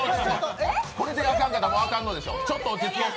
これであかんかったらあかんのでしょ。